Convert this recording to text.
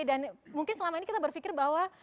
dan mungkin selama ini kita berpikir bahwa